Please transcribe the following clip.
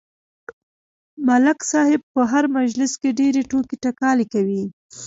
ملک صاحب په هر مجلس کې ډېرې ټوقې ټکالې کوي.